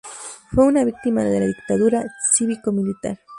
Fue una víctima de la dictadura cívico-militar.